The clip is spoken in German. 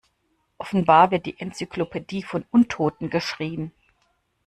Offenbar wird die Enzyklopädie von Untoten geschrieben.